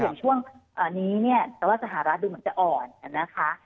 อย่างช่วงนี้เนี่ยตลาดสหราชดูเหมือนสนในคุณอ่อนกันน่ะค่ะแต่